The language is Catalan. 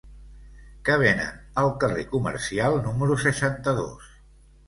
Què venen al carrer Comercial número seixanta-dos?